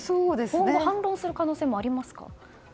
今後反論する可能性もありますか？